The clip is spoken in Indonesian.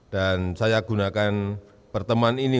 dan saya gunakan perteman ini